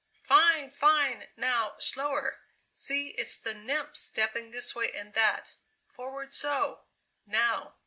"Fine! fine! Now slower; see it's the nymph stepping this way and that! Forward, so! Now!"